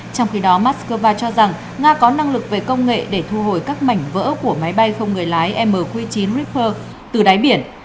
trong khi đó moscow cho rằng nga có năng lực về công nghệ để thu hồi các mảnh vỡ của máy bay không người lái mq chín rifper từ đáy biển